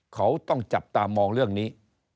เขาต้องจับตามองเรื่องนี้